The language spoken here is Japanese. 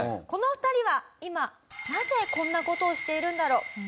この２人は今なぜこんな事をしているんだろう？